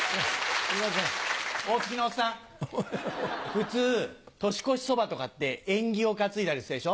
普通年越しそばとかって縁起を担いだりするでしょ？